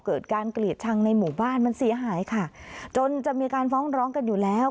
เกิดการเกลียดชังในหมู่บ้านมันเสียหายค่ะจนจะมีการฟ้องร้องกันอยู่แล้ว